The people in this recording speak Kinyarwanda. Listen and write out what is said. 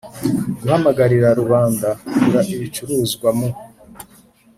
guhamagarira rubanda kugura ibicuruzwa mu